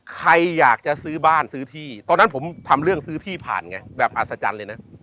ใครอยากจะซื้อบ้านซื้อที่ตอนนั้นผมทำเรื่องซื้อที่ผ่านไงแบบอัศจรรย์เลยนะ